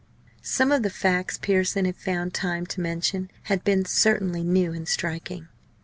Some of the facts Pearson had found time to mention had been certainly new and striking.